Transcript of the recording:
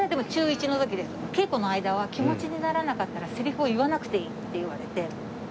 稽古の間は気持ちにならなかったらセリフを言わなくていいって言われて。